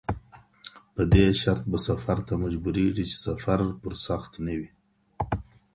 پدې شرط به سفر ته مجبوريږي، چي سفر پر سخت نه وي.